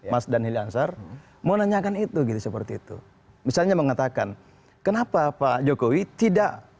mas daniel ansar menanyakan itu gitu seperti itu misalnya mengatakan kenapa pak jokowi tidak